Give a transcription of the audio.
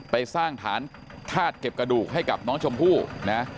ไปสร้างฐานธาตุเก็บกระดูกให้กับน้องชมพู่นะ